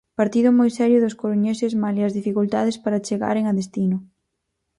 Partido moi serio dos coruñeses malia as dificultades para chegaren a destino.